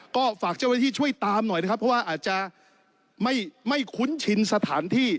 ก็ฝากเจ้าหน้าที่ช่วยตามหน่อยนะครับเพราะว่าอาจจะไม่คุ้นชินสถานที่